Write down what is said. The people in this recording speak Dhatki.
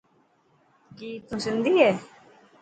ڪي تون سنڌي هي.